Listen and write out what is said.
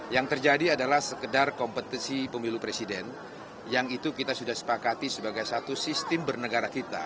yang terjadi adalah sekedar kompetisi pemilu presiden yang itu kita sudah sepakati sebagai satu sistem bernegara kita